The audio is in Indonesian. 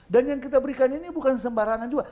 dan yang kita berikan ini bukan sembarangan juga